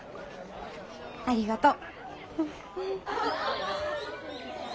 ありがとう。